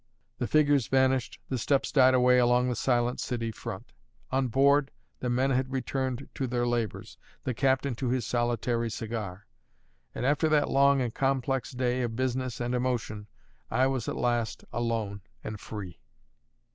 The figures vanished, the steps died away along the silent city front; on board, the men had returned to their labours, the captain to his solitary cigar; and after that long and complex day of business and emotion, I was at last alone and free.